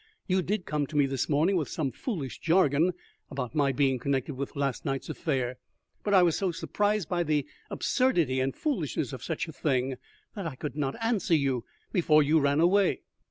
"You did come to me this morning with some foolish jargon about my being connected with last night's affair, but I was so surprised by the absurdity and foolishness of such a thing, that I could not answer you before you ran away."